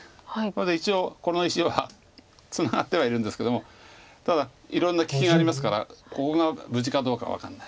一応この石はツナがってはいるんですけどもただいろんな利きがありますからここが無事かどうか分かんない。